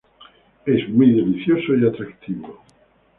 Es muy delicioso y atractivo.